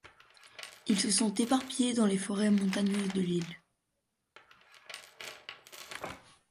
Ils sont éparpillés dans les forêts montagneuses de l'île.